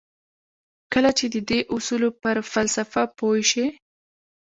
کله چې د دې اصولو پر فلسفه پوه شئ.